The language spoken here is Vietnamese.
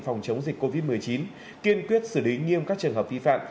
phòng chống dịch covid một mươi chín kiên quyết xử lý nghiêm các trường hợp vi phạm